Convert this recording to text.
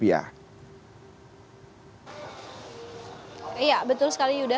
iya betul sekali yuda